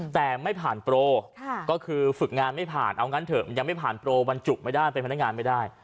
แต่ไม่ผ่านโปรก็คือฝึกงานไม่ผ่านเอางั้นเถอะยังไม่ผ่านโปรบรรจุไม่ได้เป็นพนักงานไม่ได้